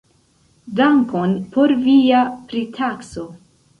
Dankon por via pritakso.